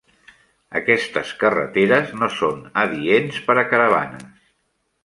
Aquestes carreteres no són adients per a caravanes.